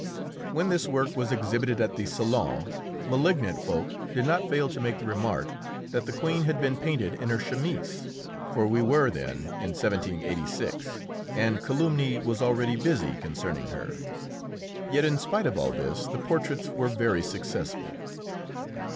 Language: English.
When this work was exhibited at the Salon, malignant folk did not fail to make the remark that the Queen had been painted in her chemise, for we were then in 1786, and calumny was already busy concerning her. Yet in spite of all this the portraits were very successful.